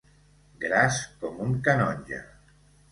Gras com un canonge.